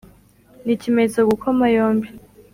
N'ikimenyetso gukoma yombi